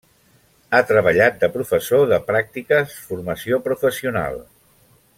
Ha treballat de professor de pràctiques Formació Professional.